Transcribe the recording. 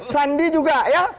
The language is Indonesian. sandi juga ya